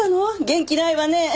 元気ないわね。